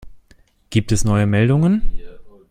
Gibt es neue Meldungen?